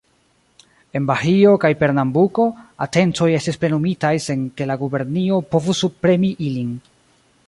En Bahio kaj Pernambuko, atencoj estis plenumitaj sen ke la gubernio povus subpremi ilin.